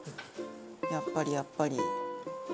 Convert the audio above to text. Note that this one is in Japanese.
やっぱりやっぱり。